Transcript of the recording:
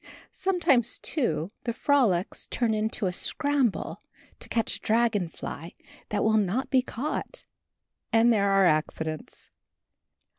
Sometimes, too, the frolics turn in to a scramble to catch a dragon fly that will not be caught, and there are accidents.